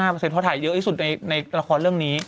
เพราะถ่ายเยอะที่สุดในละครเรื่องนี้